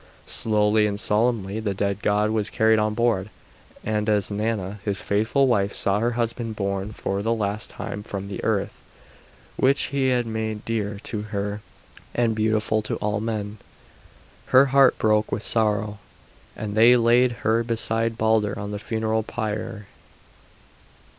Slowly and solemnly the dead god was carried on board, and as Nanna, his faithful wife, saw her husband borne for the last time from the earth which he had made dear to her and beautiful to all men, her heart broke with sorrow, and they laid her beside Balder on the funeral pyre.